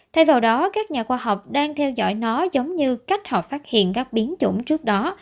thay vào đó các nhà khoa học đang theo dõi nó giống như cách họ phát hiện các biến chủng trước đó